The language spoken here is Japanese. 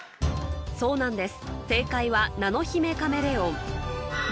そうなんです